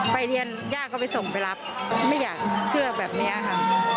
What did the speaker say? ไปเรียนย่าก็ไปส่งไปรับไม่อยากเชื่อแบบนี้ค่ะ